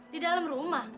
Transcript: di dalam rumah